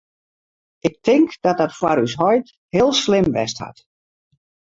Ik tink dat dat foar ús heit heel slim west hat.